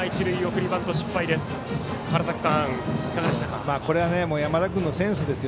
送りバント失敗です。